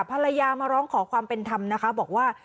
ภรรยามาร้องขอความเป็นธรรมนะคะบอกว่า